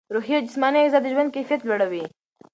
روحي او جسماني غذا د ژوند کیفیت لوړوي.